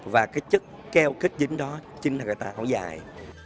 và cái chất keo kết dính đó chính là người ta có dài